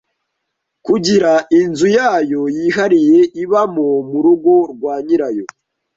kugira inzu yayo yihariye ibamo mu rugo rwa nyirayo